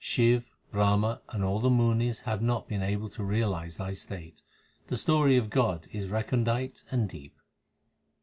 Shiv, Brahma, and all the munis have not been able to realize Thy state. The story of God is recondite and deep.